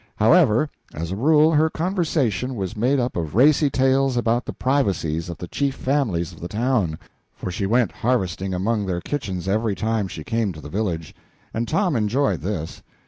However, as a rule her conversation was made up of racy tattle about the privacies of the chief families of the town (for she went harvesting among their kitchens every time she came to the village), and Tom enjoyed this.